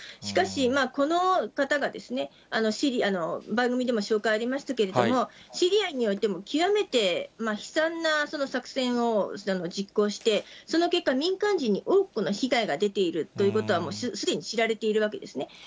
しかし、この方が、番組でも紹介ありましたけれども、シリアにおいても極めて悲惨な作戦を実行して、その結果、民間人に多くの被害が出ているということは、もうすでに知られているわけですね。